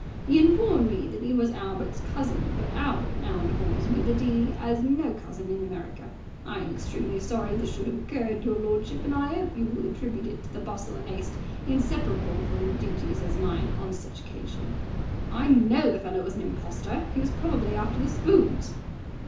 He informed me that 'e was Albert's cousin, but Albert now informs me that 'e 'as no cousin in America. I am extremely sorry this should have occurred, your lordship, and I 'ope you will attribute it to the bustle and haste inseparable from duties as mine on such a occasion." "I know the fellow was an impostor. He was probably after the spoons!"